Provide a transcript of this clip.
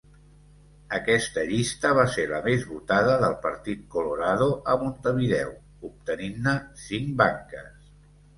Aquesta llista va ser la més votada del Partit Colorado a Montevideo, obtenint-ne cinc banques.